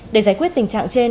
để giải quyết tình trạng trên